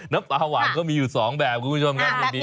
น้ำปลาหวานก็มีอยู่๒แบบคุณผู้ชมครับ